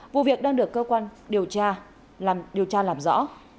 vụ việc đang được cơ quan điều tra làm rõ